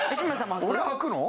俺はくの？